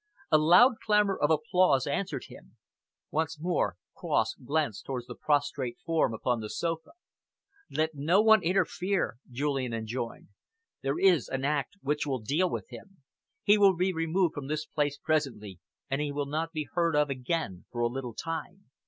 A loud clamour of applause answered him. Once more Cross glanced towards the prostrate form upon the sofa. "Let no one interfere," Julian enjoined. "There is an Act which will deal with him. He will be removed from this place presently, and he will not be heard of again for a little time.